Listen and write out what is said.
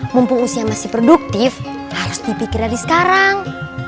mumpung usia masih produktif harus dipikirin sekarang